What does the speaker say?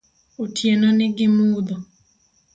Otieno ni gi mudho